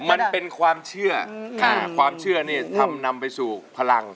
มันเป็นความเชื่อความเชื่อนี่ทำนำไปสู่พลัง